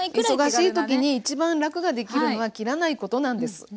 忙しい時に一番楽ができるのは切らないことなんです。